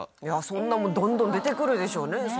いやそんなんもどんどん出てくるでしょうね